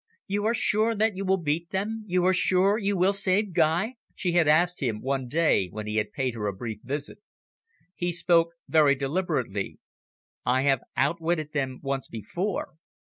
"You are sure that you will beat them, you are sure you will save Guy?" she had asked him one day, when he had paid her a brief visit. He spoke very deliberately. "I have outwitted them once before."